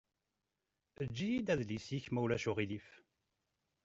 Eǧǧ-iyi-d adlis-ik ma ulac aɣilif.